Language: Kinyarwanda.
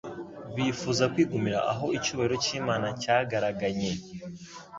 Bifuza kwigumira aho icyubahiro cy'Imana cyagaraganye.